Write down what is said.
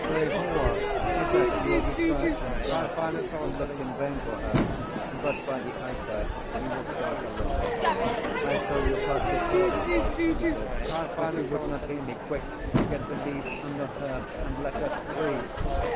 "Lehua! is that you?" he cried, and gasped, and looked in vain for her; but by the eyesight he was stark alone. "I saw you pass before," the voice answered: "but you would not hear me. Quick! get the leaves and the herbs, and let us free."